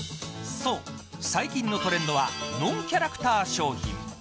そう、最近のトレンドはノンキャラクター商品。